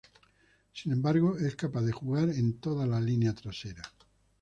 Sin embargo, es capaz de jugar en toda la línea trasera.